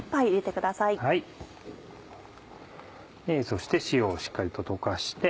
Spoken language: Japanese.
そして塩をしっかりと溶かして。